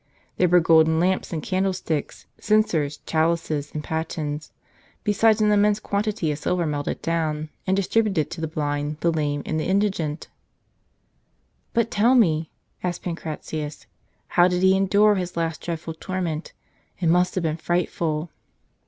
There were golden lamps and candlesticks, censors, chalices, and patens, t besides an immense quantity of silver melted down, and distributed to the blind, the lame, and the indigent." "But tell me," asked Pancratius, "how did he endure his last dreadful torment? It must have been frightful."